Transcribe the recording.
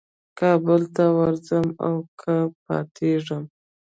کابل ته ورځم او که پاتېږم.